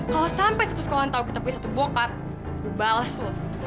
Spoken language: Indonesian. kalo sampai satu sekolah tau kita punya satu bokat gua bales lo